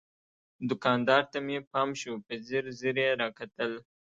دوکاندار ته مې پام شو، په ځیر ځیر یې را کتل.